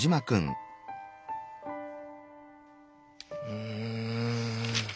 うん。